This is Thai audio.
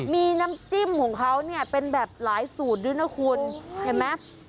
มีน้ำจิ้มของเขาเนี่ยเป็นแบบหลายสูตรด้วยนะคุณเห็นไหม